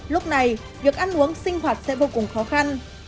lúc này việc ăn uống sinh hoạt sẽ vô cùng khó khăn